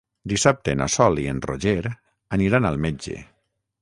Dissabte na Sol i en Roger aniran al metge.